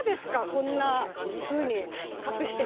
こんなふうに隠して。